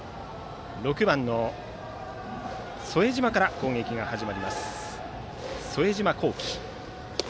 ６番の副島から攻撃が始まります。